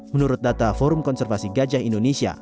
menurut data forum konservasi gajah indonesia